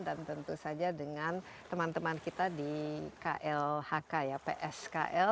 dan tentu saja dengan teman teman kita di klhk pskl